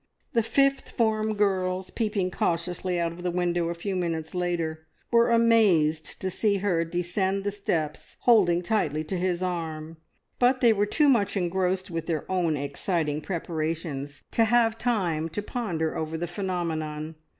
The fifth form girls, peeping cautiously out of the window a few minutes later, were amazed to see her descend the steps holding tightly to his arm, but they were too much engrossed with their own exciting preparations to have time to ponder over the phenomenon.